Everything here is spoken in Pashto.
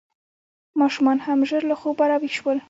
ماشومان هم ژر له خوبه راویښ شول.